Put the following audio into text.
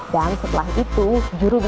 dan setelah itu jurubeskip